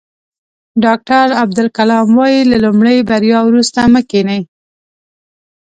ډاکټر عبدالکلام وایي له لومړۍ بریا وروسته مه کینئ.